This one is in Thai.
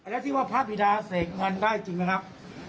แล้วที่ว่าพระบิดาเสกเงินได้จริงไหมครับ